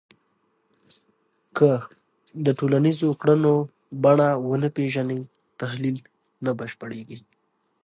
که د ټولنیزو کړنو بڼه ونه پېژنې، تحلیل نه بشپړېږي